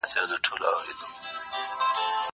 هغه څوک چي ليکنې کوي پوهه زياتوي.